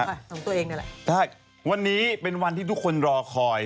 อ่ะของตัวเองนี่แหละถ้าวันนี้เป็นวันที่ทุกคนรอคอย